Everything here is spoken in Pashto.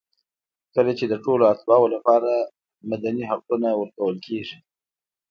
کله چې د ټولو اتباعو لپاره مدني حقونه ورکول کېږي.